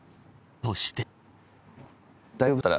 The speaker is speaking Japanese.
そして。